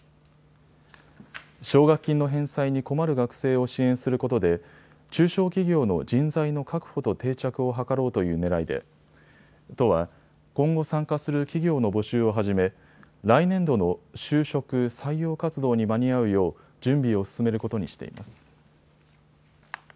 奨学金の返済に困る学生を支援することで中小企業の人材の確保と定着を図ろうというねらいで都は、今後参加する企業の募集を始め来年度の就職・採用活動に間に合うよう準備を進めることにしています。